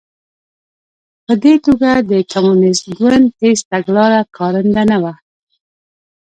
په دې توګه د کمونېست ګوند هېڅ تګلاره کارنده نه وه